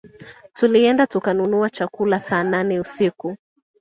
Tulienda tukanunua chakula saa nane usiku